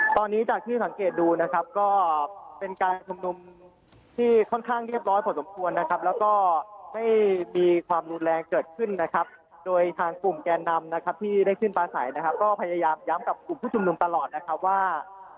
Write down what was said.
ตอนนี้จากที่สังเกตดูนะครับก็เป็นการชุมนุมที่ค่อนข้างเรียบร้อยพอสมควรนะครับแล้วก็ไม่มีความรุนแรงเกิดขึ้นนะครับโดยทางกลุ่มแกนนำนะครับที่ได้ขึ้นปลาใสนะครับก็พยายามย้ำกับกลุ่มผู้ชุมนุมตลอดนะครับว่า